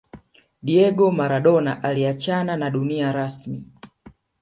Diego Maladona aliacahana na dunia rasmi